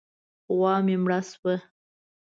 غوا مې مړه شوه.